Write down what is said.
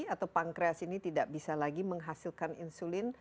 atau pankreas ini tidak bisa lagi menghasilkan insulin